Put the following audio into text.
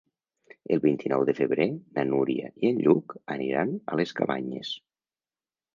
El vint-i-nou de febrer na Núria i en Lluc aniran a les Cabanyes.